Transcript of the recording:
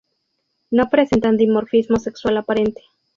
No presentan dimorfismo sexual aparente.